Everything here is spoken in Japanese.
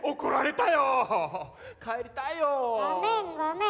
ごめんごめん。